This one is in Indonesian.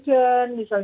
atau anggota senat